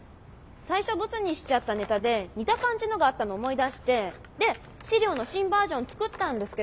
最初ボツにしちゃったネタで似た感じのがあったのを思い出してで資料の新バージョン作ったんですけ